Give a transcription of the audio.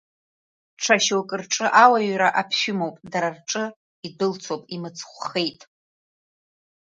Ҽа шьоук рҿы ауаҩра аԥшәымоуп, дара рҿы идәылцоуп, имыцхәхеит…